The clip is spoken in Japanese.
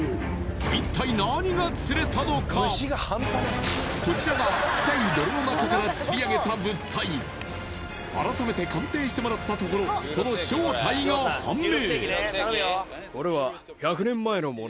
一体こちらが深い泥の中から釣りあげた改めて鑑定してもらったところその正体が判明